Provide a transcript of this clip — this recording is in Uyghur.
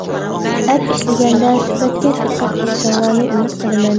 ئەپ ئىشلىگەندە سۈپەتكە دىققەت قىلىشىڭلارنى ئۈمىد قىلىمەن.